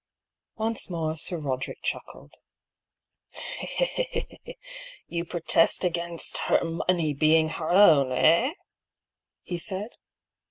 Once more Sir Roderick chuckled. "You protest against her money being her own, eh ?" he said.